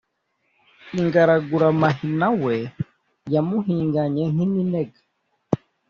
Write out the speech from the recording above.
Ingaraguramahina we yamuhinganye nk’iminega